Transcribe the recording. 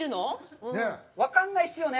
分かんないっすよね。